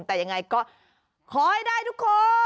แต่ยังไงก็ขอให้ได้ทุกคน